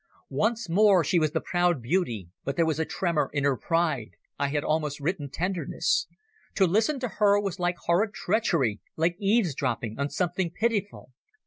Once more she was the proud beauty, but there was a tremor in her pride—I had almost written tenderness. To listen to her was like horrid treachery, like eavesdropping on something pitiful.